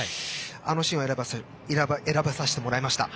あのシーンを選ばさせてもらいました。